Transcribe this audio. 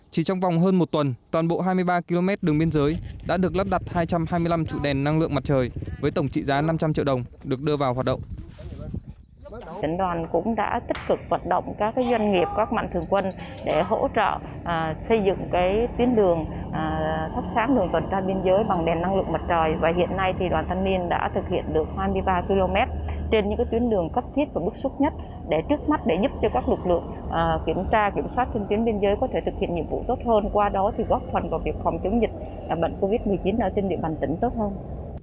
chỉ trong vòng hơn một tuần toàn bộ hai mươi ba km đường biên giới đã được lắp đặt hai trăm hai mươi năm trụ đèn năng lượng mặt trời với tổng trị giá năm trăm linh triệu đồng được đưa vào hoạt động